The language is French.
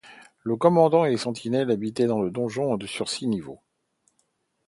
Le commandant et les sentinelles habitaient dans le donjon sur six niveaux.